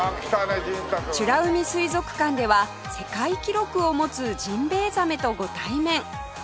美ら海水族館では世界記録を持つジンベエザメとご対面